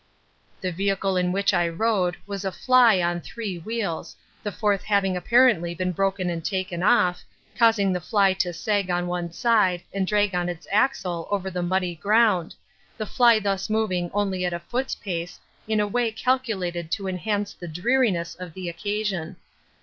The vehicle in which I rode was a fly on three wheels, the fourth having apparently been broken and taken off, causing the fly to sag on one side and drag on its axle over the muddy ground, the fly thus moving only at a foot's pace in a way calculated to enhance the dreariness of the occasion.